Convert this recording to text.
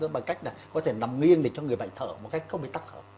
bằng cách là có thể nằm nghiêng để cho người bệnh thở một cách không bị tắc thở